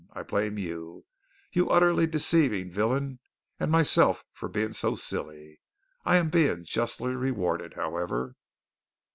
I blame you, you utterly deceiving villain and myself for being so silly. I am being justly rewarded, however."